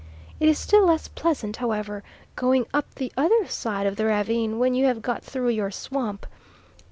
It is still less pleasant, however, going up the other side of the ravine when you have got through your swamp.